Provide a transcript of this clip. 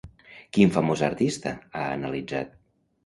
Quin famós artista ha analitzat?